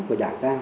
của đảng ta